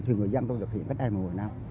thì người dân tôi thực hiện cách ai mà ngồi nào